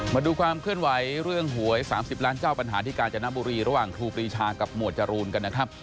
มาดูความเคลื่อนไหวเรื่องหวย๓๐ล้านเจ้าปัญหาที่กาญจนบุรีระหว่างครูปรีชากับหมวดจรูนกันนะครับ